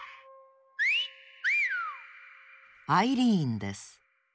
アイリーンです。